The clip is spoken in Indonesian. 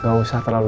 gak usah terlalu